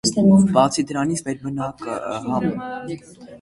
Բացի դրանից, մեր բանակը համալրվեց երկու սարքին զրահագնացքով։